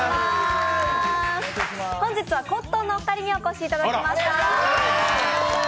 本日はコットンのお二人にもお越しいただきました。